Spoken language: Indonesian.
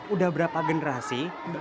udah berapa generasi